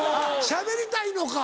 しゃべりたいのか。